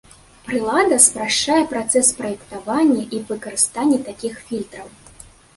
Прылада спрашчае працэс праектавання і выкарыстання такіх фільтраў.